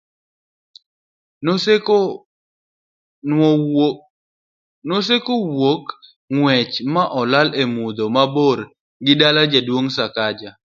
Naseko nowuok ng'wech ma olal e mudho mabor gi dala jaduong' Sakaja